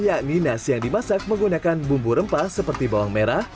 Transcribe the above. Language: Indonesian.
yakni nasi yang dimasak menggunakan bumbu rempah seperti bawang merah